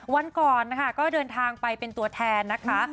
วันก่อนนะคะก็เดินทางไปเป็นตัวแทนนะคะ